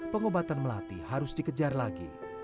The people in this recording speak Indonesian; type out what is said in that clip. pengobatan melati harus dikejar lagi